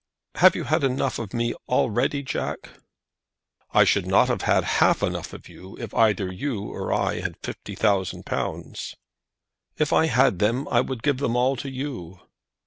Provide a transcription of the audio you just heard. "Have you had enough of me already, Jack?" "I should not have had half enough of you if either you or I had fifty thousand pounds." "If I had them I would give them all to you."